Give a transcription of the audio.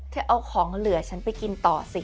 เอาของเหลือฉันไปกินต่อสิ